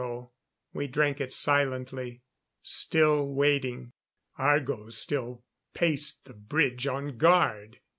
We drank it silently, still waiting. Argo still paced the bridge on guard.